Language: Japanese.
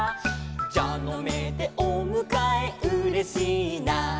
「じゃのめでおむかえうれしいな」